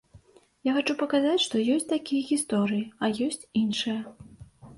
Я хачу паказаць, што ёсць такія гісторыі, а ёсць іншыя.